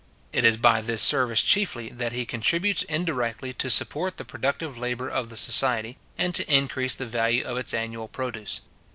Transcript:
It is by this service chiefly that he contributes indirectly to support the productive labour of the society, and to increase the value of its annual produce.